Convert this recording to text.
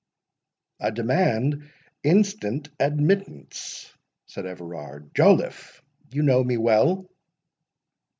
"I demand instant admittance!" said Everard. "Joliffe, you know me well?"